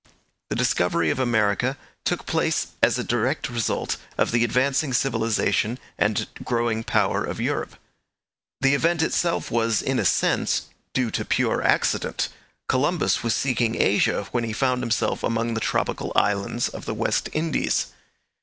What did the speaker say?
The discovery of America took place as a direct result of the advancing civilization and growing power of Europe. The event itself was, in a sense, due to pure accident. Columbus was seeking Asia when he found himself among the tropical islands of the West Indies.